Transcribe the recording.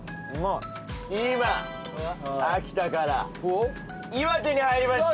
今秋田から岩手に入りました。